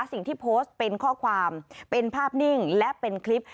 สิ่งที่โพสต์เป็นข้อความเป็นภาพนิ่งและเป็นคลิป